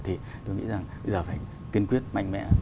thì tôi nghĩ rằng bây giờ phải kiên quyết mạnh mẽ